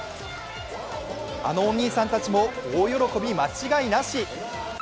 あのお兄さんたちも大喜び間違いなし。